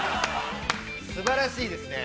すばらしいですね。